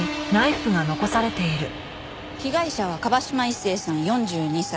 被害者は椛島一生さん４２歳。